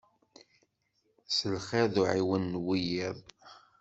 S lxir d uɛiwen n wiyiḍ.